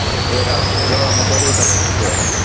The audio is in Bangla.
এই রাজ্য আমাদেরই থাকবে।